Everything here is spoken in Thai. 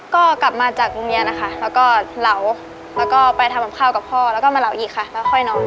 ก็กลับมาจากโรงเรียนนะคะแล้วก็เหลาแล้วก็ไปทำกับข้าวกับพ่อแล้วก็มาเหลาอีกค่ะแล้วค่อยนอน